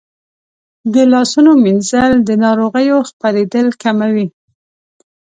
د لاسونو مینځل د ناروغیو خپرېدل کموي.